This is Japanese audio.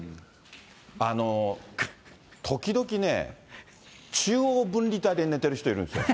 時々ね、中央分離帯で寝てる人いるんですよ。